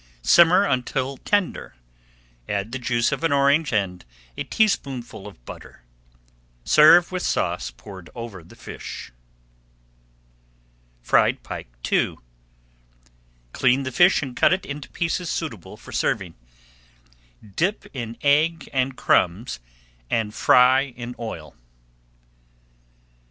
Simmer until tender, add the juice of an orange and a teaspoonful of butter. Serve with sauce poured over the fish. FRIED PIKE II Clean the fish and cut it into pieces suitable for serving. Dip in egg and crumbs and fry in oil.